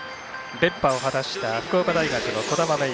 連覇を果たした福岡大学の兒玉芽生。